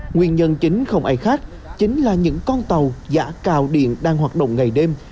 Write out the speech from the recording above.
nguyên nhân chính không ai khác chính là những con tàu giả cào điện đang hoạt động ngày đêm